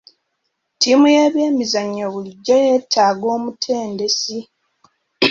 Ttiimu y'ebyemizannyo bulijjo yeetaaga omutendesi.